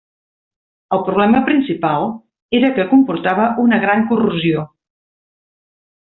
El problema principal era que comportava una gran corrosió.